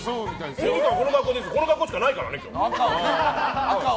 この格好しかないからね。